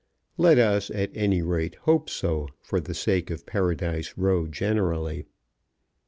Let us, at any rate, hope so for the sake of Paradise Row generally.